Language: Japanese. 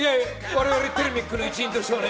我々テルミックの一員としてはね。